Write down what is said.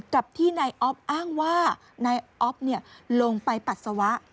กับที่นายอ๊อฟอ้างว่านายอ๊อฟลงไปปัสสาวะ